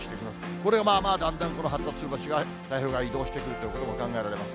これがまあまあ、だんだんこの発達が太平洋側に移動してくるということも考えられます。